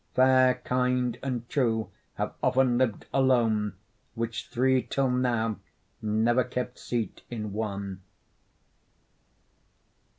Fair, kind, and true, have often liv'd alone, Which three till now, never kept seat in one.